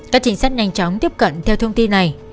các chính sách nhanh chóng tiếp cận theo thông tin này